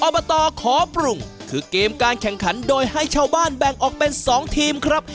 อบตขอปรุงคือเกมการแข่งขันโดยให้ชาวบ้านแบ่งออกเป็น๒ทีมครับ